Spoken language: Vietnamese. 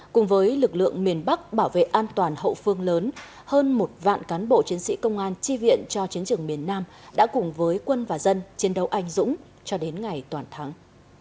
cùng với lực lượng miền bắc bảo vệ an toàn hậu phương lớn hơn một vạn cán bộ chiến sĩ công an chi viện cho chiến trường miền nam đã cùng với quân và dân chiến đấu anh dũng cho đến ngày toàn thắng